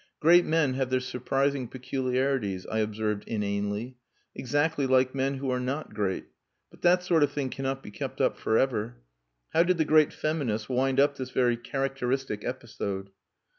"Great men have their surprising peculiarities," I observed inanely. "Exactly like men who are not great. But that sort of thing cannot be kept up for ever. How did the great feminist wind up this very characteristic episode?"